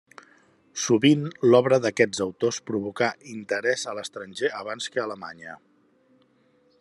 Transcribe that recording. Sovint l'obra d'aquests autors provocà interés a l'estranger abans que a Alemanya.